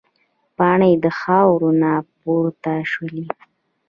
پاڼې د خاورو نه پورته شولې.